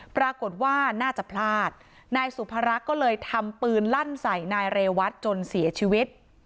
ปรากฏว่าน่าจะพลาดนายสุภารักษ์ก็เลยทำปืนลั่นใส่นายเรวัตจนเสียชีวิต